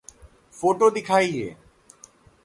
Photo दिखाइए।